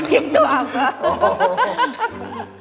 ya gak gitu abah